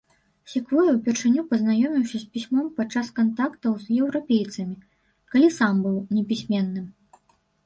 Секвоя ўпершыню пазнаёміўся з пісьмом падчас кантактаў з еўрапейцамі, калі сам быў непісьменным.